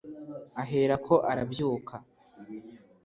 Aherako arabyuka